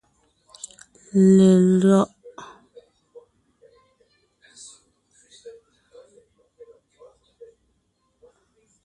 Lelÿɔ’.